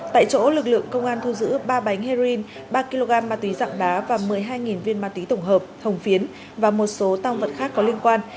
tại chỗ lực lượng công an thu giữ ba bánh heroin ba kg ma túy dạng đá và một mươi hai viên ma túy tổng hợp hồng phiến và một số tăng vật khác có liên quan